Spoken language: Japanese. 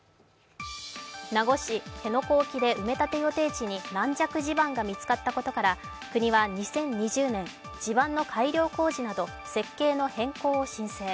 名護市・辺野古沖で埋め立て予定地に軟弱地盤が見つかったことから、国は２０２０年、地盤の改良工事など設計の変更を申請。